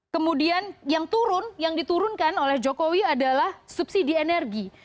kemudian yang diturunkan oleh jokowi adalah subsidi energi